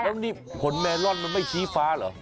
แล้วนี่ผลเมลอนมันไม่ชี้ฟ้าเหรอ